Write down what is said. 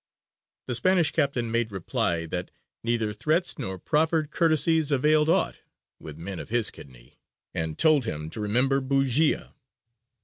The Spanish captain made reply that "neither threats nor proffered curtesies availed aught with men of his kidney," and told him to remember Bujēya.